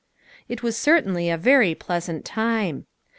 It was certainly a very pleasant time.